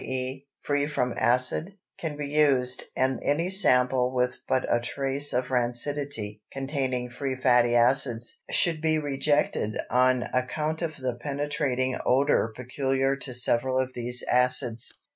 e._, free from acid, can be used, and any sample with but a trace of rancidity (containing free fatty acids) should be rejected on account of the penetrating odor peculiar to several of these acids.